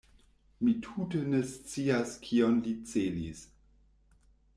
Mi tute ne scias kion li celis.